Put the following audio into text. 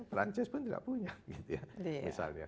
prancis pun tidak punya